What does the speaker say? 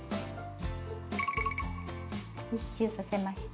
１周させました。